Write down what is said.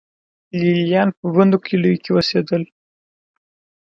لې لیان په بندو کلیو کې اوسېدل